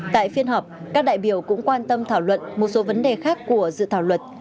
tại phiên họp các đại biểu cũng quan tâm thảo luận một số vấn đề khác của dự thảo luật